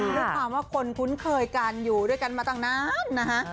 ด้วยความว่าคนคุ้นเคยกันอยู่ด้วยกันมาตั้งนานนะฮะ